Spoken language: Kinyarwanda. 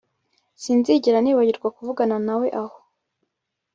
Sinzigera nibagirwa kuvugana nawe aho